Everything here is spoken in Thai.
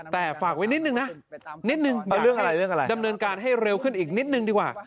แต่ฝากไว้นิดนึงนะนิดนึงดำเนินการให้เร็วขึ้นอีกนิดนึงดีกว่า